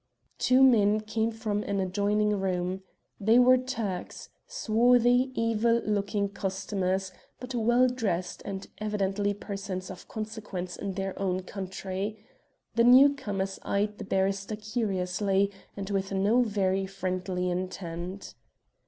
Two men came from an adjoining room. They were Turks swarthy, evil looking customers, but well dressed, and evidently persons of consequence in their own country. The newcomers eyed the barrister curiously, and with no very friendly intent.